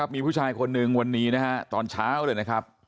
มีผู้ชายคนหนึ่งวันนี้นะฮะตอนเช้าเลยนะครับ